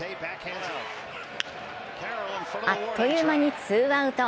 あっという間にツーアウト。